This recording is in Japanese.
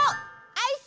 アイス！